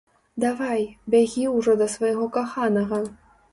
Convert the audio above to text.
Давай, бягі ўжо да свайго каханага.